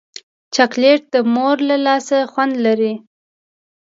چاکلېټ د مور له لاسه خوند لري.